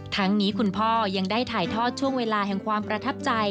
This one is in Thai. ทั้งนี้คุณพ่อยังได้ถ่ายทอดช่วงเวลาแห่งความประทับใจ